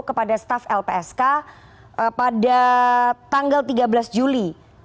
kepada staf lpsk pada tanggal tiga belas juli